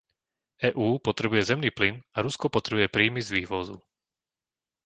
EÚ potrebuje zemný plyn a Rusko potrebuje príjmy z vývozu.